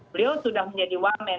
beliau sudah menjadi one man